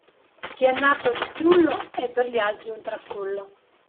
Chi è nato citrullo è per gli altri un trastullo.